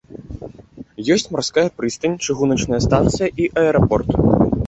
Ёсць марская прыстань, чыгуначная станцыя і аэрапорт.